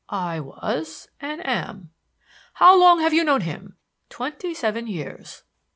"I was and am." "How long have you known him?" "Twenty seven years."